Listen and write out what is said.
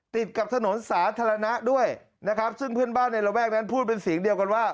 ติดกับถนนสาธารณะด้วยนะครับซึ่งเพื่อนบ้านในระแวกนั้นพูดเป็นเสียงเดียวกันว่า